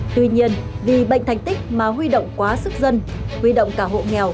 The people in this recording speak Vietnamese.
tuy nhiên vì bệnh thành tích mà huy động quá sức dân huy động cả hộ nghèo